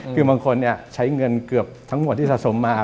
คือบางคนใช้เงินเกือบทั้งหมดที่สะสมมา